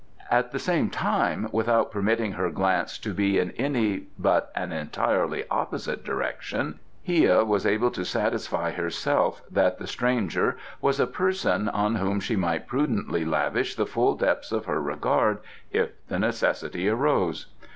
At the same time, without permitting her glance to be in any but an entirely opposite direction, Hia was able to satisfy herself that the stranger was a person on whom she might prudently lavish the full depths of her regard if the necessity arose.